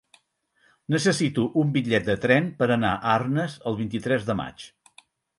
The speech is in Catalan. Necessito un bitllet de tren per anar a Arnes el vint-i-tres de maig.